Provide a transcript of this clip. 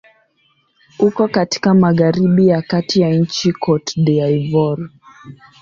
Uko katika magharibi ya kati ya nchi Cote d'Ivoire.